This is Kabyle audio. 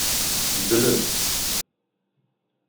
Dlen.